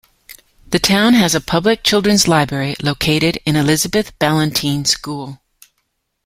The town has a public children's library located in Elizabeth Ballantyne school.